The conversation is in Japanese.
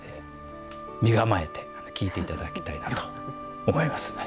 身構えて聴いていただきたいなと思います。